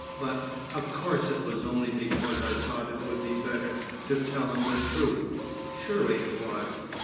But of course it was only because I thought it would be better to tell him the truth. Surely it was?"